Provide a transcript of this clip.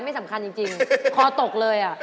ไม่สำคัญจริงคอตกเลยอ่ะ